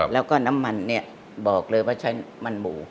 แล้วก็น้ำมันเนี่ยบอกเลยว่าใช้มันหมู